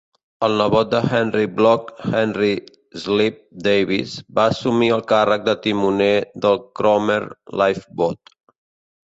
El nebot de Henry Blogg, Henry "Shrimp" Davies, va assumir el càrrec de timoner del Cromer Lifeboat.